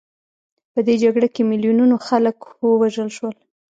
په دې جګړه کې میلیونونو خلک ووژل شول.